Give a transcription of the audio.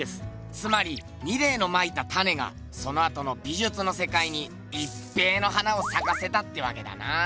つまりミレーのまいた種がそのあとの美術のせかいにいっぺえの花をさかせたってわけだな。